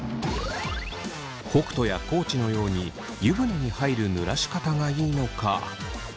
北斗や地のように湯船に入るぬらし方がいいのか？